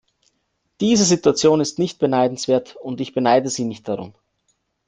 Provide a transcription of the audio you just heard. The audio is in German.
Diese Situation ist nicht beneidenswert, und ich beneide sie nicht darum.